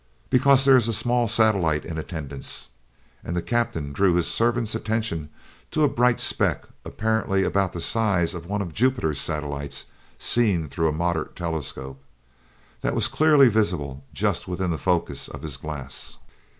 "Because there is a small satellite in attendance." And the captain drew his servant's attention to a bright speck, apparently about the size of one of Jupiter's satellites seen through a moderate telescope, that was clearly visible just within the focus of his glass.